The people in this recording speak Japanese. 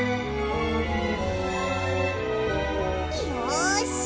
よし！